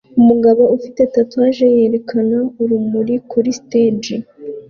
Umugabo ufite tatouage yerekana urumuri kuri stage